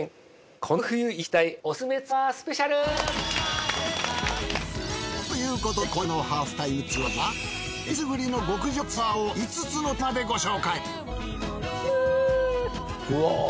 この冬行きたいおすすめツアースペシャル！ということで今週の『ハーフタイムツアーズ』は選りすぐりの極上ツアーを５つのテーマでご紹介。